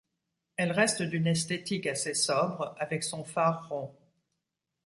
Elle reste d'une esthétique assez sobre, avec son phare rond.